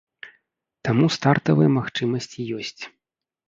Таму стартавыя магчымасці ёсць.